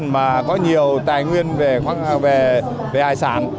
mà có nhiều tài nguyên về hải sản